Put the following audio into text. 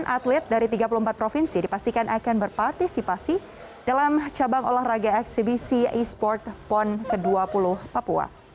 delapan atlet dari tiga puluh empat provinsi dipastikan akan berpartisipasi dalam cabang olahraga eksibisi e sport pon ke dua puluh papua